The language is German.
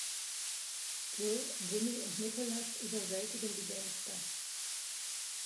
Jill, Jimmy und Nicholas überwältigen die Gangster.